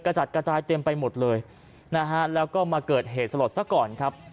จัดกระจายเต็มไปหมดเลยนะฮะแล้วก็มาเกิดเหตุสลดซะก่อนครับ